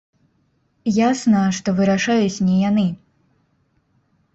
Ясна, што вырашаюць не яны.